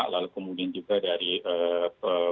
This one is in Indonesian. lalu kemudian juga dari